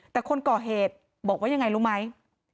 แต่คนก่อเหตุบอกว่ายังไงรู้ไหม